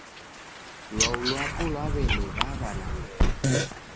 Lwau lwapo lwaw'eniw'aw'a nandonyi